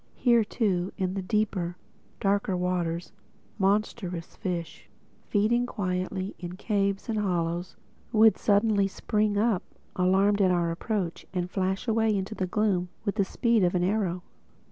Here too, in the deeper, darker waters, monstrous fishes, feeding quietly in caves and hollows would suddenly spring up, alarmed at our approach, and flash away into the gloom with the speed of an arrow.